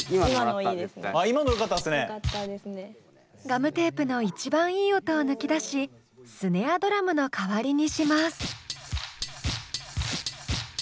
ガムテープの一番いい音を抜き出しスネアドラムの代わりにします。